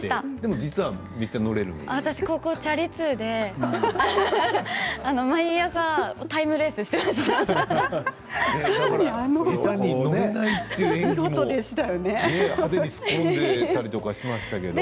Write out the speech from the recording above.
実は高校チャリ通で毎朝、タイムレースしていました。